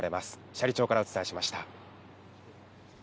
斜里町からお伝えしました。